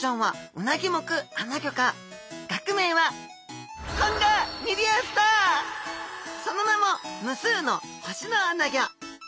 学名はその名も無数の星のアナゴ。